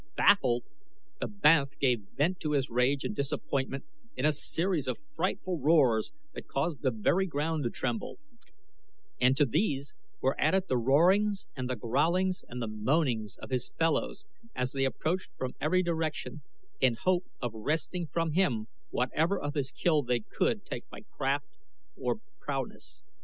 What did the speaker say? Baffled, the banth gave vent to his rage and disappointment in a series of frightful roars that caused the very ground to tremble, and to these were added the roarings and the growlings and the moanings of his fellows as they approached from every direction, in the hope of wresting from him whatever of his kill they could take by craft or prowess.